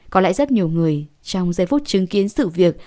có lẽ rất nhiều người trong giây phút chứng kiến sự việc